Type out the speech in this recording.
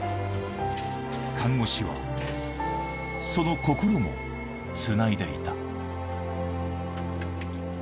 看護師はその心もつないでいた。